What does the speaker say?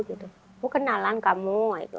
aku kenalan kamu